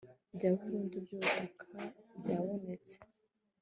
bya burundu by'ubutaka byabonetse